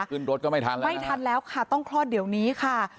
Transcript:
ขึ้นรถก็ไม่ทันแล้วไม่ทันแล้วค่ะต้องคลอดเดี๋ยวนี้ค่ะ